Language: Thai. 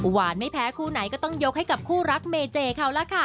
ไม่แพ้คู่ไหนก็ต้องยกให้กับคู่รักเมเจเขาแล้วค่ะ